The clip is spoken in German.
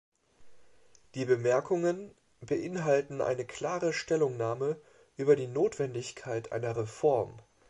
Die Bemerkungen beinhalten eine klare Stellungnahme über die Notwendigkeit einer Reform.